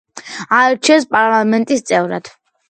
აირჩიეს პარლამენტის წევრად.